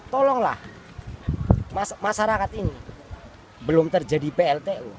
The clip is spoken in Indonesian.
tolonglah masyarakat ini belum terjadi pltu